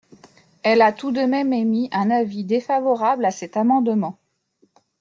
Elle a tout de même émis un avis – défavorable – à cet amendement.